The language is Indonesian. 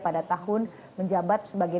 pada tahun menjabat sebagai